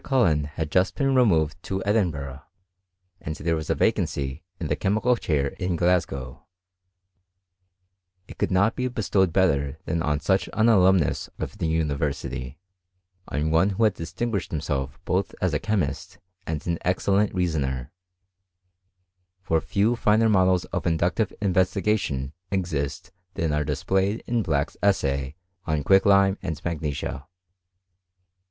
Cullen had been jusl removed to mrgh, and thete was a vacancy in the chemical 818 HISTORY 07 CHBMI8TRT. chair in Glasgow: it could not be bestowed 1 than on such an alumnus of the university— <m who had distinguished himself both as a chemif an ; excellent reasoner ; for few finer models of i tive investigation exist than are displayed in B essay on quicklime and magnesia.